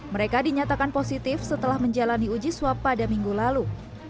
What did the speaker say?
mereka dinyatakan positif setelah menjalani uji swab pada minggu lalu